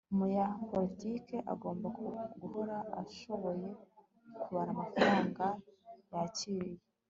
umunyapolitiki agomba guhora ashoboye kubara amafaranga yakiriye